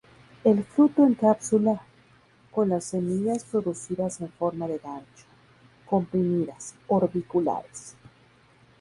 El fruto en cápsula, con las semillas producidas en forma de gancho, comprimidas, orbiculares.